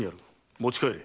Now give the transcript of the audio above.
持ち帰れ。